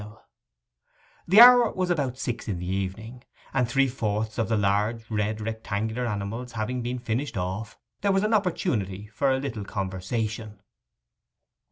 The hour was about six in the evening, and three fourths of the large, red, rectangular animals having been finished off, there was opportunity for a little conversation.